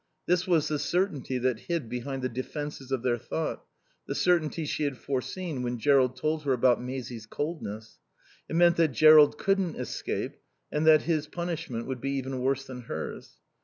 This was the certainty that hid behind the defences of their thought, the certainty she had foreseen when Jerrold told her about Maisie's coldness. It meant that Jerrold couldn't escape, and that his punishment would be even worse than hers.